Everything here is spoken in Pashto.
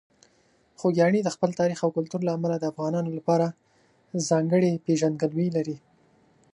خوږیاڼي د خپل تاریخ او کلتور له امله د افغانانو لپاره ځانګړې پېژندګلوي لري.